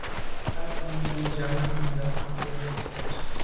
Á fáŋ nùm dìǎŋ ncúndá támzə̄ à ŋgə̂ sû ŋgə́tú’.